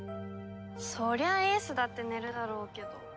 そりゃあ英寿だって寝るだろうけど。